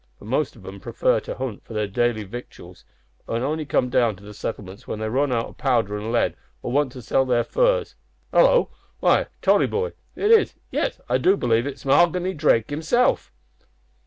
But most of 'em prefer to hunt for their daily victuals, an' on'y come down to the settlements when they run out o' powder an' lead, or want to sell their furs. Hallo! Why, Tolly, boy, it is yes! I do believe it's Mahoghany Drake himself!"